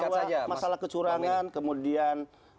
bahwa masalah kecurangan kemudian